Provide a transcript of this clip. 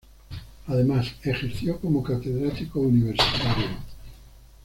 Además, ejerció como catedrático universitario.